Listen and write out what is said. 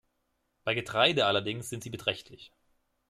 Bei Getreide allerdings sind sie beträchtlich.